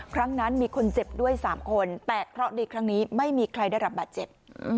ครั้งนั้นมีคนเจ็บด้วย๓คนแต่เคราะห์ดีครั้งนี้ไม่มีใครได้รับบาดเจ็บ